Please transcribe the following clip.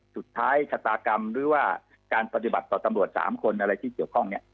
สุดท้ายชะตากรรมหรือว่าการปฏิบัติต่อตำรวจ๓คนอะไรที่เกี่ยวข้องเนี่ย